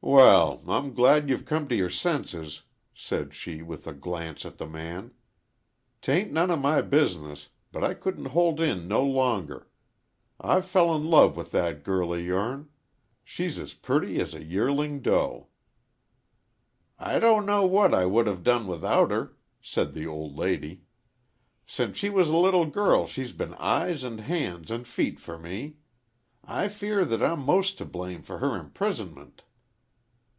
"Wal, I'm glad you've come t' yer senses," said she, with a glance at the man. "'Tain't none o' my business, but I couldn't hold in no longer. I've fell in love with that girl o' your'n. She's as purty as a yearling doe." "I don't know what I would have done without her," said the old lady. "Since she was a little girl she's been eyes and hands and feet for me. I fear that I'm most to blame for her imprisonment."